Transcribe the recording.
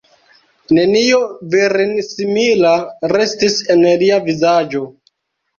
Nenio virinsimila restis en lia vizaĝo.